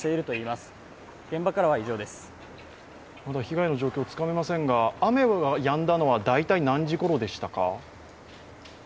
まだ被害の状況がつかめませんが、雨やんだのは大体何時ごろでしたか？